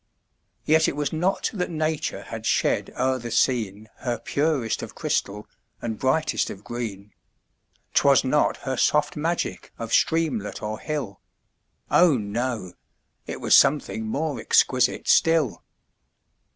Yet it was not that nature had shed o'er the scene Her purest of crystal and brightest of green; 'Twas not her soft magic of streamlet or hill, Oh! no—it was something more exquisite still.